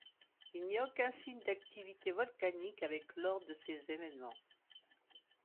Il n'y a aucun signe d'activité volcanique avec lors de ces événements.